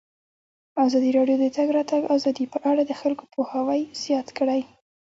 ازادي راډیو د د تګ راتګ ازادي په اړه د خلکو پوهاوی زیات کړی.